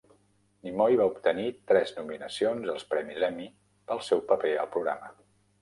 Nimoy va obtenir tres nominacions als premis Emmy pel seu paper al programa.